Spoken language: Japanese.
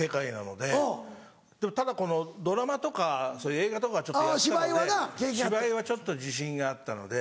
でもただドラマとか映画とかはちょっとやってたので芝居はちょっと自信があったので。